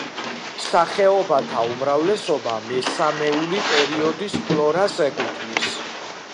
სახეობათა უმრავლესობა მესამეული პერიოდის ფლორას ეკუთვნის.